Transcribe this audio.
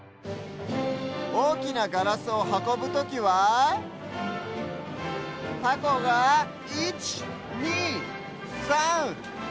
おおきなガラスをはこぶときはタコが１２３４。